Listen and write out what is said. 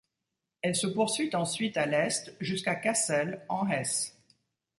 Elle se poursuit ensuite à l'est jusqu'à Cassel, en Hesse.